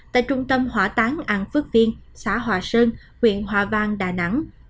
tại trung tâm hỏa táng an phước viên xã hòa sơn huyện hòa vang đà nẵng